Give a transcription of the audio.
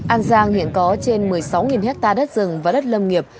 an giang hiện có trên một mươi sáu hectare đất rừng và đất lâm nghiệp